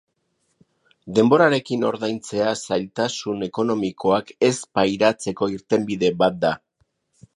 Denborarekin ordaintzea zailtasun ekonomikoak ez pairatzeko irtenbide bat da.